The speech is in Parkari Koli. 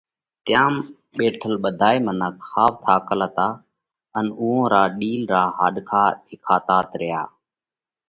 تيام ٻيٺل ٻڌائي منک ۿاوَ ٿاڪل هتا ان اُوئون را ڏِيل را هاڏکا ۮيکاتات ريا۔